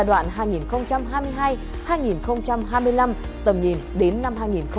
giai đoạn hai nghìn hai mươi hai hai nghìn hai mươi năm tầm nhìn đến năm hai nghìn ba mươi